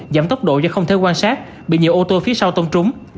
giảm tốc độ do không thể quan sát bị nhiều ô tô phía sau tông trúng